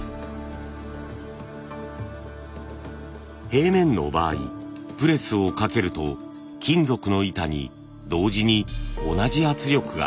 平面の場合プレスをかけると金属の板に同時に同じ圧力がかかります。